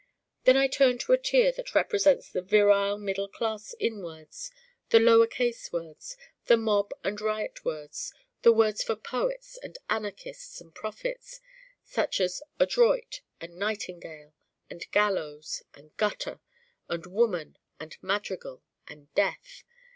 Then I turn to a tier that represents the virile middle class in words, the lower case words, the mob and riot words, the words for poets and anarchists and prophets: such as Adroit and Nightingale and Gallows and Gutter and Woman and Madrigal and Death.